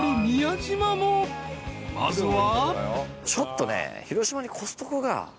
［まずは］